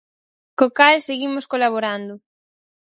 Co cal, seguimos colaborando.